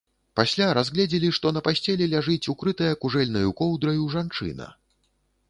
Пасля разгледзелі, што на пасцелі ляжыць укрытая кужэльнаю коўдраю жанчына.